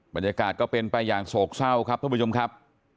บรรยากาศก็เป็นไปอย่างโศกเศร้าครับท่านผู้ชมครับ